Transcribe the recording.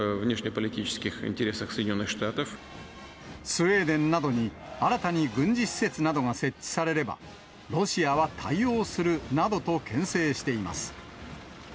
スウェーデンなどに新たに軍事施設などが設置されれば、ロシアは対応するなどとけん制しています。